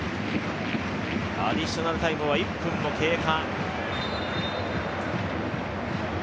アディショナルタイムは１分を経過。